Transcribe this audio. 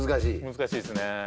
難しいですね